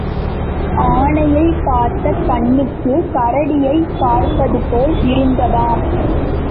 ஆனையைப் பார்த்த கண்ணுக்குக் கரடியைப் பார்ப்பதுபோல் இருந்ததாம்.